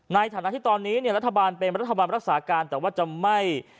ในฐานะที่ตอนนี้เนี่ยรัฐบาลเป็นรัฐบาลรักษาการแต่ว่าจะไม่